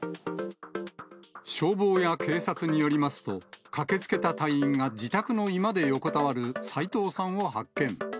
消防や警察によりますと、駆けつけた隊員が自宅の居間で横たわる斎藤さんを発見。